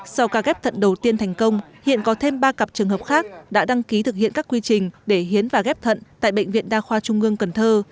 sau ca ghép thận đầu tiên thành công hiện có thêm ba cặp trường hợp khác đã đăng ký thực hiện các quy trình để hiến và ghép thận tại bệnh viện đa khoa trung ương cần thơ